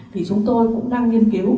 thì chúng tôi cũng đang nghiên cứu